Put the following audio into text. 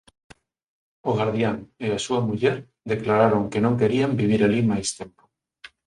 O gardián e súa muller declararon que non querían vivir alí máis tempo.